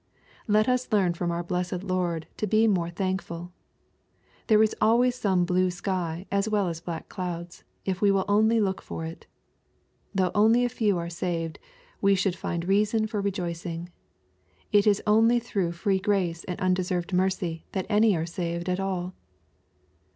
Let us learn from our blessed Lord to be more thankfuL There is always some blue sky as well as black clouds, if we will only look for it. Though only a few are saved, we should find reason for rejoicing. It is only through free grace and undeserved mercy that any are saved at all.